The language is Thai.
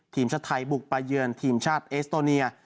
ทีมชาติไทยบุกไปเยือนทีมชาติเอสโตเนีย